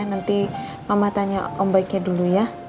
nanti mama tanya om baiknya dulu ya